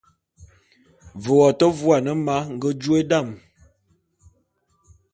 Ve wo te vuane ma nge jôe dam.